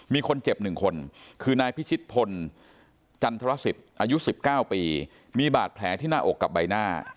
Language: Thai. มีคนเจ็บ๑คนคือนายพิชิตพลจันทรสิทธิ์อายุ๑๙ปีมีบาดแผลที่หน้าอกกับใบหน้า